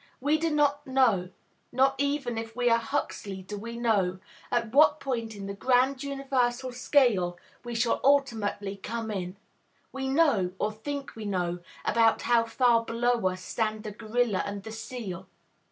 We do not know, not even if we are Huxley do we know, at what point in the grand, universal scale we shall ultimately come in. We know, or think we know, about how far below us stand the gorilla and the seal.